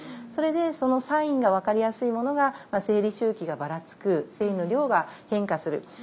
それでそのサインが分かりやすいものが生理周期がばらつく生理の量が変化する。